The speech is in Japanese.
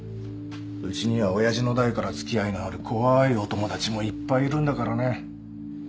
うちには親父の代から付き合いのある怖いお友達もいっぱいいるんだからね。